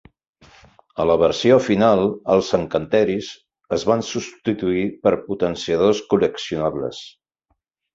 A la versió final, els encanteris es van substituir per potenciadors col·leccionables.